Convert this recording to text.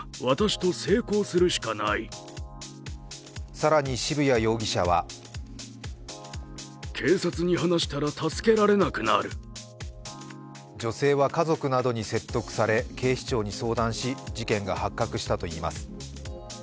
更に渋谷容疑者は女性は家族などに説得され警視庁に相談し事件が発覚したといいます。